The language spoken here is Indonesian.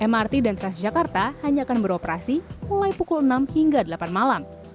mrt dan transjakarta hanya akan beroperasi mulai pukul enam hingga delapan malam